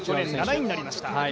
７位になりました。